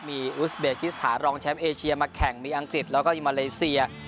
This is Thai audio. มีอุสเบกิสถานรองแชมป์เอเชียมาแข่งมีอังกฤษแล้วก็อิมาเลเซีย